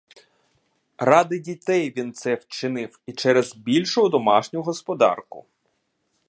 Ради дітей він це вчинив і через більшу домашню господарку.